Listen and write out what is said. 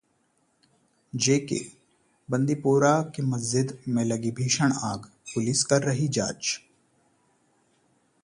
J-K: Bandipora के मस्जिद में लगी भीषण आग, पुलिस कर रही जांच